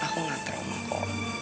aku gak terlalu mampu